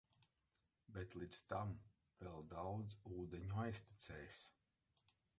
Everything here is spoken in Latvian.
Bet līdz tam vēl daudz ūdeņu aiztecēs.